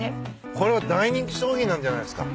これは大人気商品なんじゃないですか？